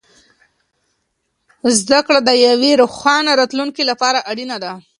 زده کړه د یوې روښانه راتلونکې لپاره اړینه ده.